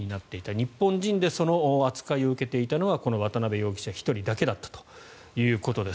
日本人でその扱いを受けていたのはこの渡邉容疑者１人だけだったということです。